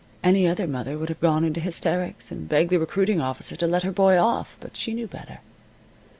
Any other mother would have gone into hysterics and begged the recruiting officer to let her boy off. But she knew better.